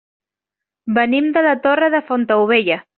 Venim de la Torre de Fontaubella.